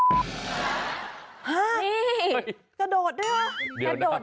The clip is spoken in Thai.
กระโดดด้วยเหรอ